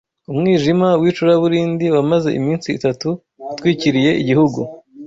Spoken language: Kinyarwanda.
Umwijima w’icuraburindi wamaze iminsi itatu utwikiriye igihugu